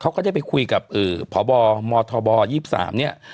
เขาก็ได้ไปคุยกับอือพบมทบ๒๓เนี่ย